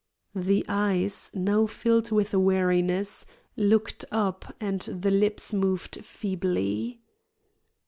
The eyes, now filled with weariness, looked up and the lips moved feebly.